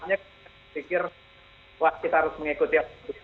saya pikir wah kita harus mengikuti